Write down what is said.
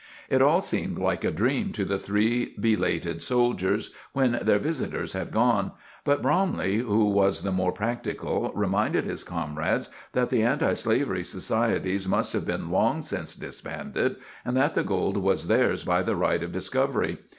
It all seemed like a dream to the three belated soldiers when their visitors had gone; but Bromley, who was the more practical, reminded his comrades that the antislavery societies must have been long since disbanded, and that the gold was theirs by the right of discovery.